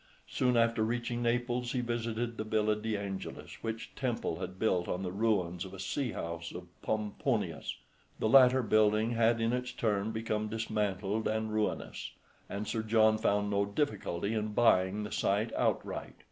Soon after reaching Naples he visited the Villa de Angelis, which Temple had built on the ruins of a sea house of Pomponius. The later building had in its turn become dismantled and ruinous, and Sir John found no difficulty in buying the site outright.